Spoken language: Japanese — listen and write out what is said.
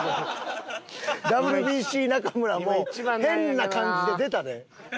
ＷＢＣ中村もう変な感じで出たで。